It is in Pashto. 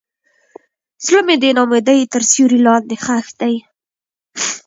زړه مې د ناامیدۍ تر سیوري لاندې ښخ دی.